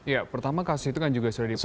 ya pertama kasus itu kan juga sudah diperiksa